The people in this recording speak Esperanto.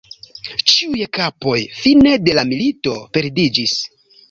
Ĉiuj kapoj fine de la milito perdiĝis.